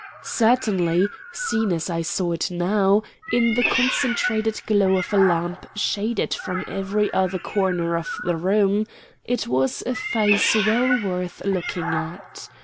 Certainly, seen as I saw it now, in the concentrated glow of a lamp shaded from every other corner of the room, it was a face well worth looking at.